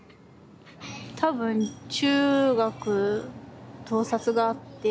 多分中学盗撮があって。